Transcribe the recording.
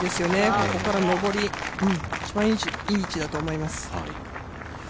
ここから上り、一番いい位置だと思います。